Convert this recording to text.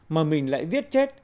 mà mình lại viết chết